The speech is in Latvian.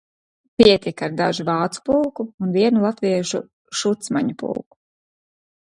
Pietika ar dažu vācu pulku un vienu latviešu šucmaņu pulku.